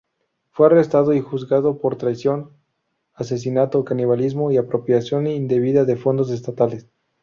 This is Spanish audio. Fue arrestado y juzgado por traición, asesinato, canibalismo y apropiación indebida de fondos estatales.